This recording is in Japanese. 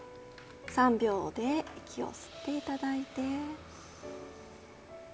３秒で息を吸っていただいて。